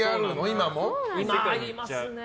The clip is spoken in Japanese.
今はありますね。